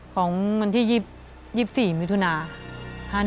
ของวันที่๒๔มิถุนา๕๑ค่ะ